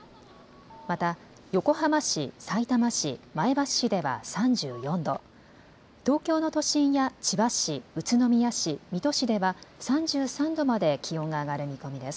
また横浜市、さいたま市、前橋市では３４度、東京の都心や千葉市、宇都宮市、水戸市では３３度まで気温が上がる見込みです。